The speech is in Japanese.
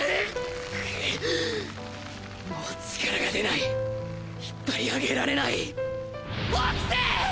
もう力が出ない引っ張り上げられないホークス！